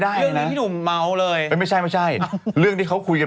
การบอกเล่ามาอย่าเรียกหรอก